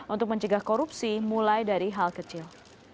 untuk mencegah korupsi mulai dari hal kecil